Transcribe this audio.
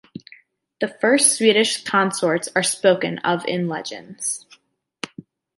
The first Swedish consorts are spoken of in legends.